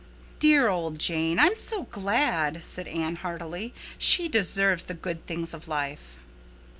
"Dear old Jane—I'm so glad," said Anne heartily. "She deserves the good things of life."